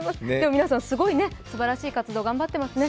皆さん、すごいすばらしい活動頑張っていますね。